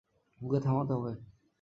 ওকে থামাতে হবে।